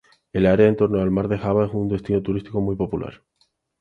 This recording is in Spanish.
El área en torno al mar de Java es un destino turístico muy popular.